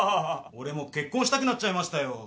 俺も結婚したくなっちゃいましたよ。